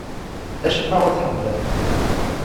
Acemma ur t-ḥemmleɣ.